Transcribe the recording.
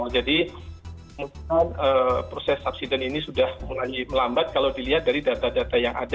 jadi proses subsiden ini sudah mulai melambat kalau dilihat dari data data yang ada